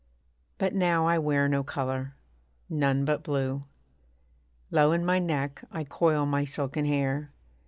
But now I wear no colour none but blue. Low in my neck I coil my silken hair.